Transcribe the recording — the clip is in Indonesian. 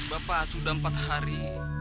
bapak sudah empat hari